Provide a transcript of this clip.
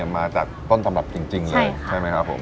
มาจากต้นตำรับจริงเลยใช่ไหมครับผม